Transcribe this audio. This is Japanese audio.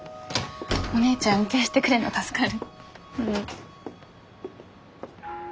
お姉ちゃん運転してくれんの助かる。